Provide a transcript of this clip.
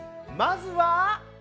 まずは。